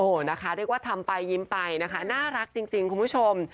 โอ้โหนะคะเรียกว่าทำไปยิ้มไปนะคะน่ารักจริงคุณผู้ชม